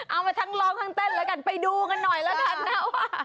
เอามาทั้งร้องทั้งเต้นแล้วกันไปดูกันหน่อยแล้วกันนะว่า